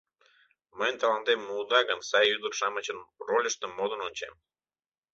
— Мыйын талантем муыда гын, сай ӱдыр-шамычын рольыштым модын ончем...